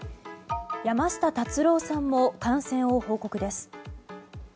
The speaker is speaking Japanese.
山下達郎さんも感染を報告です。